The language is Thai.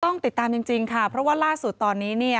ต้องติดตามจริงค่ะเพราะว่าล่าสุดตอนนี้เนี่ย